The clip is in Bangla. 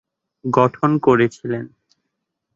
গঠন করেছিলেন।